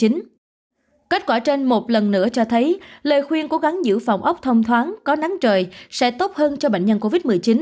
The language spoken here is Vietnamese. nên một lần nữa cho thấy lời khuyên cố gắng giữ phòng óc thông thoáng có nắng trời sẽ tốt hơn cho bệnh nhân covid một mươi chín